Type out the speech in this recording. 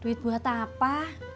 duit buat apa